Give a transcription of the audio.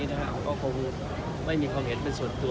เราก็คงไม่มีความเห็นเป็นส่วนตัว